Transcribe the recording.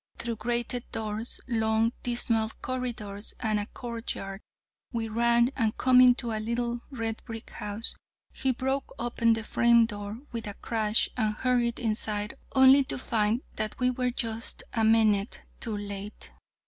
Through grated doors, long, dismal corridors, and a court yard, we ran, and coming to a little, red brick house, he broke open the frame door with a crash, and hurried inside, only to find that we were just a minute too late.'"